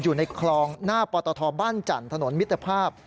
อยู่ในคลองหน้าปตทบ้านจันทร์ถนนมิตรภาพ